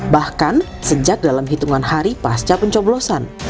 bahkan sejak dalam hitungan hari pasca pencoblosan